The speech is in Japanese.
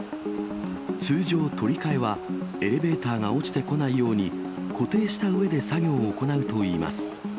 通常、取り替えはエレベーターが落ちてこないように、固定したうえで作業を行うといいます。